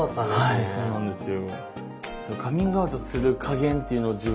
はいそうなんですよ。